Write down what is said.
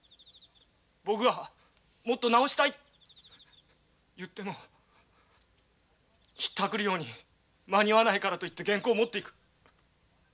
僕がもっと直したいと言ってもひったくるように間に合わないからといって原稿を持っていく。